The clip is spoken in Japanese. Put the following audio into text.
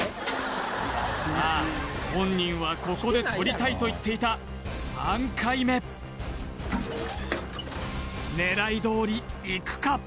本人はここで取りたいと言っていた３回目狙いどおりいくか？